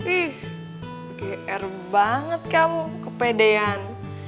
ih gr banget kamu kepedean